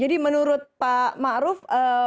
jadi menurut pak ma'ruf